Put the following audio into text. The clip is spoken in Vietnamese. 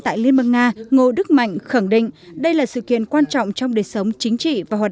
tại liên bang nga ngô đức mạnh khẳng định đây là sự kiện quan trọng trong đời sống chính trị và hoạt